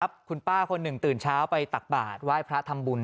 คุณป้าคนหนึ่งตื่นเช้าไปตักบาทไหว้พระทำบุญ